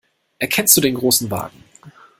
Erkennst du den Großen Wagen?